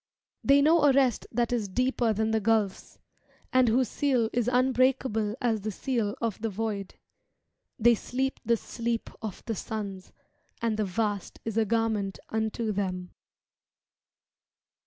They know a rest that is deeper than the gulfs, And whose seal is unbreakable as the seal of the void; They sleep the sleep of the suns. And the vast is a garment unto them.